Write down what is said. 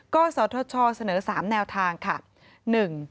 กศธเสนอ๓แนวทาง